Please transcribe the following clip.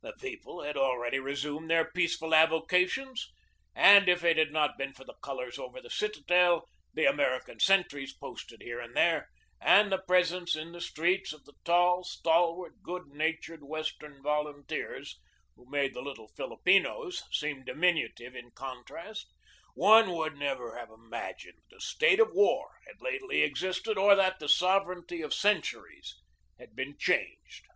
The people had already resumed their peaceful avo cations, and if it had not been for the colors over the citadel, the American sentries posted here and there, and the presence in the streets of the tall, stalwart, good natured Western volunteers, who made the little Filipinos seem diminutive in contrast, one would never have imagined that a state of war had lately existed or that the sovereignty of centuries had been changed.